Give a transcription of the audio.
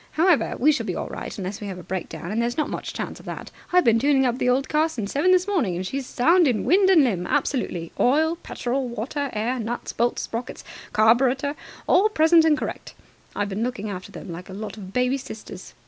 However, we shall be all right unless we have a breakdown, and there's not much chance of that. I've been tuning up the old car since seven this morning, and she's sound in wind and limb, absolutely. Oil petrol water air nuts bolts sprockets carburetor all present and correct. I've been looking after them like a lot of baby sisters.